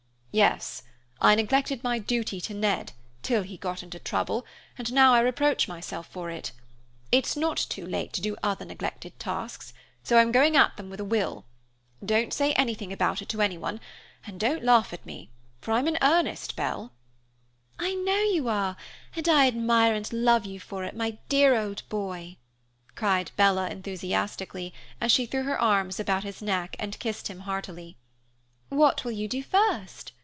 "Yes, I neglected my duty to Ned, till he got into trouble, and now I reproach myself for it. It's not too late to do other neglected tasks, so I'm going at them with a will. Don't say anything about it to anyone, and don't laugh at me, for I'm in earnest, Bell." "I know you are, and I admire and love you for it, my dear old boy," cried Bella enthusiastically, as she threw her arms about his neck and kissed him heartily. "What will you do first?"